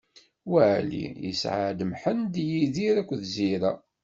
Waɛli isɛa-d: Mḥend, Yidir akked Zira.